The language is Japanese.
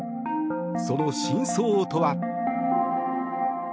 その真相とは？